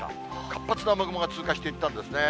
活発な雨雲が通過していったんですね。